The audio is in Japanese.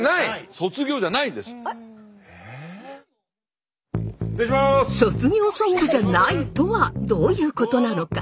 卒業ソングじゃないとはどういうことなのか？